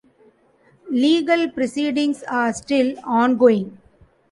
Legal proceedings are still ongoing.